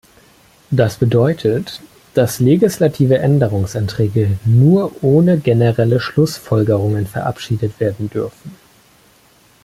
Das bedeutet, dass legislative Änderungsanträge nur ohne generelle Schlussfolgerungen verabschiedet werden dürfen.